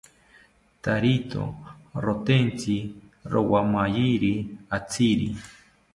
Tarito rotentsi rowamayiri atziri